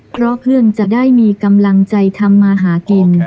เพราะเพื่อนจะได้มีกำลังใจทำมาหากิน